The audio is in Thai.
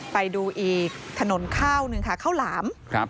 ไปดูอีกถนนข้าวหนึ่งค่ะข้าวหลาม